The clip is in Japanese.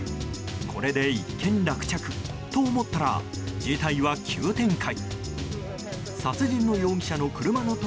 これで一件落着と思ったら事態は急展開。